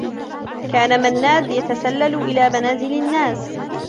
كان منّاد يتسلّل إلى منازل النّاس.